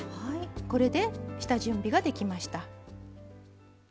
これで下準備ができました。